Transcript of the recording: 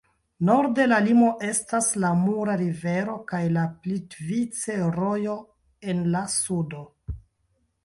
Norde, la limo estas la Mura Rivero kaj la Plitvice-Rojo en la sudo.